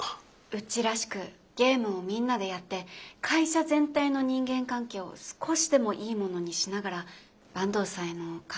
うちらしくゲームをみんなでやって会社全体の人間関係を少しでもいいものにしながら坂東さんへの感謝も伝えられたらと思っていて。